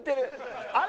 あれ？